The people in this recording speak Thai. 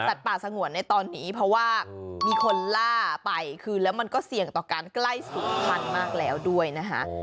ป่าสงวนในตอนนี้เพราะว่ามีคนล่าไปคือแล้วมันก็เสี่ยงต่อการใกล้ศูนย์พันธุ์มากแล้วด้วยนะคะ